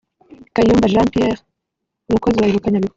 Kayumba Jean Pierre umukozi wa Ibuka Nyabihu